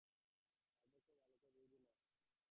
বার্ধক্য বালকত্বের বিরোধী নয়, পরন্তু তাহার পরিণতি।